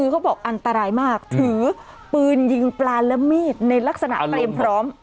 ปืนยิงปลาละเมฆในลักษณะเป็นพร้อม